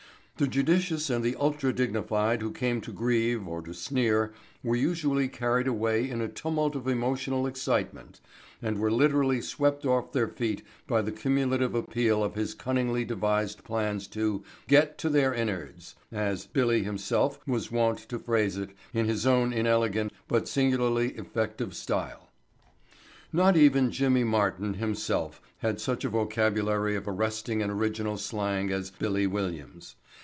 The judicious and the ultra dignified who came to grieve or to sneer were usually carried away in a tumult of emotional excitement and were literally swept off their feet by the cumulative appeal of all his cunningly devised plans to "get to their innards," as "Billy" himself was wont to phrase it in his own inelegant, but singularly effective style. Not even Jimmy Martin himself had such a vocabulary of arresting and original slang as "Billy" Williams.